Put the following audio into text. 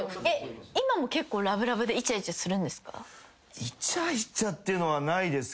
今も結構ラブラブでイチャイチャするんですか？